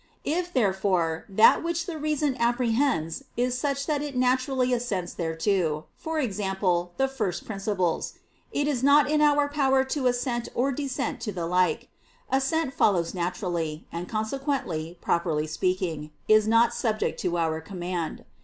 If, therefore, that which the reason apprehends is such that it naturally assents thereto, e.g. the first principles, it is not in our power to assent or dissent to the like: assent follows naturally, and consequently, properly speaking, is not subject to our command.